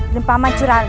dan paman curale